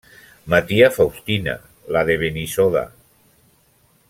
Ma tia Faustina, la de Benissoda.